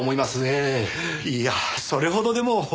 いやそれほどでも。